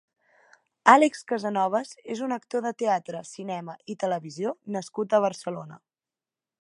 Àlex Casanovas és un actor de teatre, cinema i televisió nascut a Barcelona.